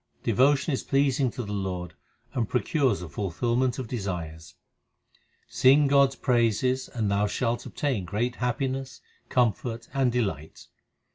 Devotion is pleasing to the Lord and procures the fulfilment of desires : Sing God s praises and thou shalt obtain great happiness, comfort, and delight.